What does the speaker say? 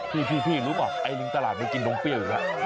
พี่รู้หรือเปล่าไอลิงตลาดมันกินน้องเปรี้ยวอยู่แล้ว